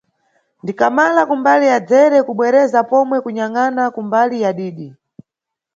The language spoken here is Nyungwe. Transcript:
Ndikamala kumbali ya dzere, kubwereza pomwe kunyangʼana kumbali ya didi.